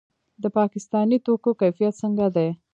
د پاکستاني توکو کیفیت څنګه دی؟